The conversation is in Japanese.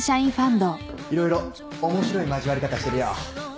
色々面白い交わり方してるよ。